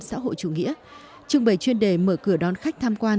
xã hội chủ nghĩa trưng bày chuyên đề mở cửa đón khách tham quan